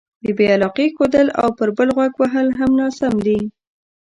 بې علاقې ښودل او پر بل غوږ وهل هم ناسم دي.